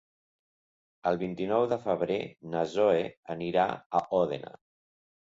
El vint-i-nou de febrer na Zoè anirà a Òdena.